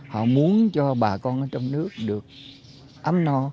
họ muốn cho bà con ở trong nước được ấm no